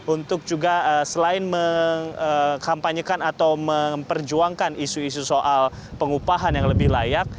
untuk juga selain mengkampanyekan atau memperjuangkan isu isu soal pengupahan yang lebih layak